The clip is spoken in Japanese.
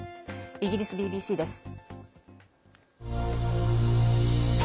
イギリスＢＢＣです。